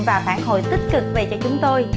và phản hồi tích cực về cho chúng tôi